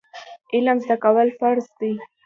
علم زده کول فرض دي